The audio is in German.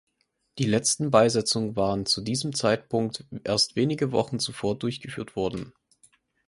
Die letzten Beisetzungen waren zu diesem Zeitpunkt erst wenige Wochen zuvor durchgeführt worden.